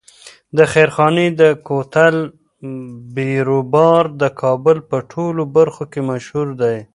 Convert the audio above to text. د خیرخانې د کوتل بیروبار د کابل په ټولو برخو کې مشهور دی.